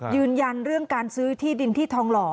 ยืนยันเรื่องการซื้อที่ดินที่ทองหล่อ